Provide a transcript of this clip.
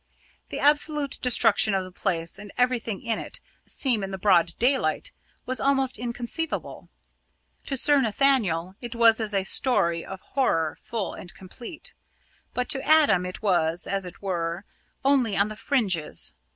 The absolute destruction of the place and everything in it seen in the broad daylight was almost inconceivable. To Sir Nathaniel, it was as a story of horror full and complete. But to Adam it was, as it were, only on the fringes.